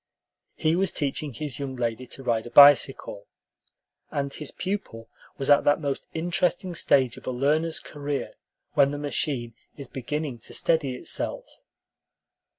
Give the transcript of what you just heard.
He was teaching his young lady to ride a bicycle, and his pupil was at that most interesting stage of a learner's career when the machine is beginning to steady itself.